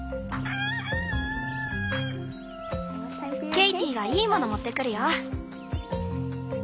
ケイティがいいもの持ってくるよ。